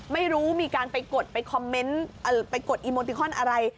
ไม่รู้มีการไปกดไปคอมเมนต์ไปกดอีโมติคอนอะไร